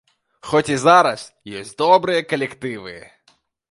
Хоць і зараз ёсць добрыя калектывы.